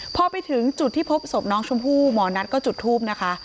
พอไปถึงจุดที่พบศพน้องชมพู่หมอนัทก็จุดทูบนะคะ